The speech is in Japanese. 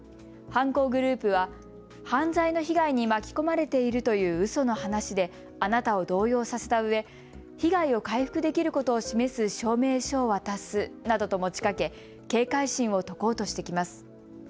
犯行グループは犯罪の被害に巻き込まれているという、うその話で、あなたを動揺させたうえ被害を回復できることを示す証明書を渡すなどと持ちかけ警戒心を解こうとしてきます。